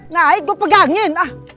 nah gue pegangin ah